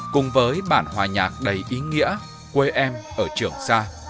cùng với bản hòa nhạc đầy ý nghĩa quê em ở trường sa